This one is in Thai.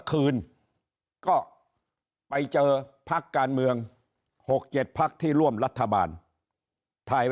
คืนก็ไปเจอพักการเมือง๖๗พักที่ร่วมรัฐบาลถ่าย